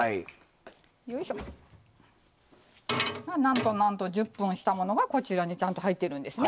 よいしょなんとなんと１０分したものがこちらにちゃんと入ってるんですね。